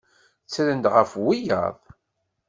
Ttrent-d ɣef wiyaḍ.